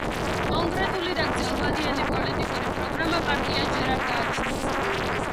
კონკრეტული და გრძელვადიანი პოლიტიკური პროგრამა პარტიას ჯერ არ გააჩნია.